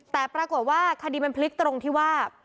แต่ปรากฏว่าคดีมันพลิกตรงที่ว่า